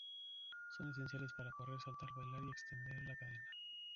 Son esenciales para correr, saltar, bailar y extender la cadera.